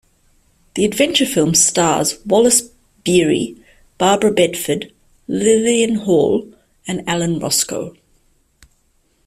The adventure film stars Wallace Beery, Barbara Bedford, Lillian Hall and Alan Roscoe.